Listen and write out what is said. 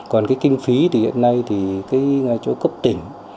còn cái kinh phí thì hiện nay thì cái chỗ cấp tỉnh